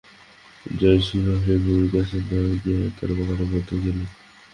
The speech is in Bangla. জয়সিংহ আসিয়া গুরুর কাছে না গিয়া তাঁহার বাগানের মধ্যে গেলেন।